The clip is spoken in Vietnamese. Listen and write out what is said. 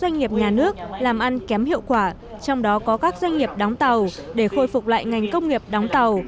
doanh nghiệp nhà nước làm ăn kém hiệu quả trong đó có các doanh nghiệp đóng tàu để khôi phục lại ngành công nghiệp đóng tàu